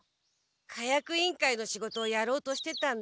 火薬委員会の仕事をやろうとしてたんだけど。